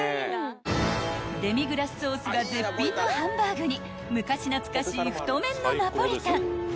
［デミグラスソースが絶品のハンバーグに昔懐かしい太麺のナポリタン］